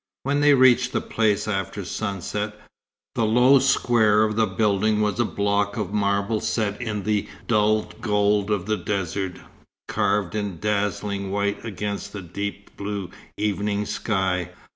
When they reached the place after sunset, the low square of the building was a block of marble set in the dull gold of the desert, carved in dazzling white against a deep blue evening sky.